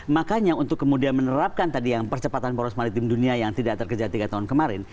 makanya untuk kemudian menerapkan tadi yang percepatan poros maritim dunia yang tidak terkejar tiga tahun kemarin